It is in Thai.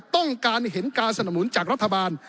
ต้องการเห็นการสนุนจากรัฐบาล